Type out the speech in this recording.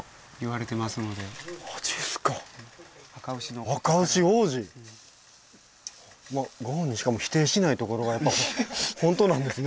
まあご本人しかも否定しないところがやっぱり本当なんですね。